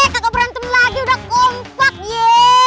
kagak berantem lagi udah kompak ye